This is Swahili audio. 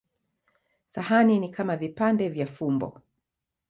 Sahani ni kama vipande vya fumbo.